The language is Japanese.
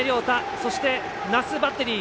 そして、奈須バッテリー